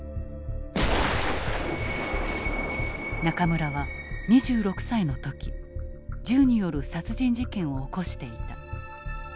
中村は２６歳の時銃による殺人事件を起こしていた。